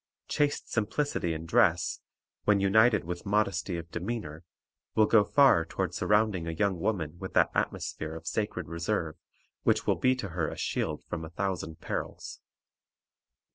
Chaste sim plicity in dress, when united with modesty of demeanor, will go far toward surrounding a young woman with that atmosphere of sacred reserve which will be to her a shield from a thousand perils.